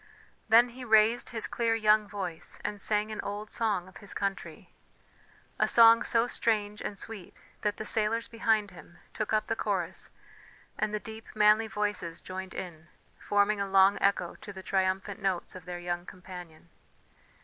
Then he raised his clear young voice, and sang an old song of his country, a song so strange and sweet, that the sailors behind him took up the chorus and the deep manly voices joined in, forming a long echo to the triumphant notes of their young companion.